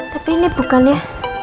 tapi ini bukannya